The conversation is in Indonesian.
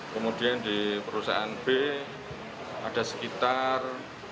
kemudian di perusahaan b ada sekitar dua puluh empat